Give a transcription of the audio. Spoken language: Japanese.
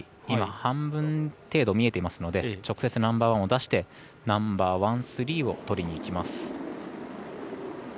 今、半分程度見えていますので直接ナンバーワンを出してナンバーワン、スリーをとりにいきます。